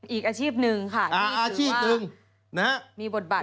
อีกอาชีพหนึ่งค่ะนี่คือว่ามีบทบัติมากนี่คืออาชีพหนึ่งน่ะ